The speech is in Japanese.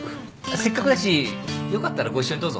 せっかくだしよかったらご一緒にどうぞ。